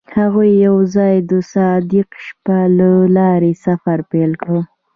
هغوی یوځای د صادق شپه له لارې سفر پیل کړ.